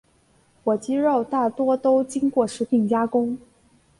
火鸡肉大多都经过食品加工。